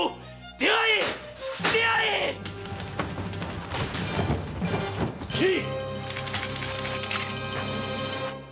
出会え出会え‼斬れ！